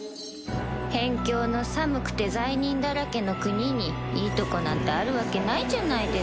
辺境の寒くて罪人だらけの国にいいとこなんてあるわけないじゃないですかあ。